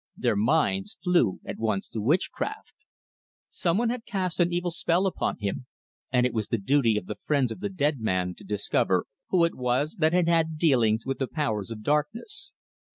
Their minds flew at once to witchcraft. Some one had cast an evil spell upon him, and it was the duty of the friends of the dead man to discover who it was that had had dealings with the powers of darkness.